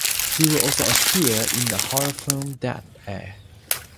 He will also appear in the horror film "Dead Air".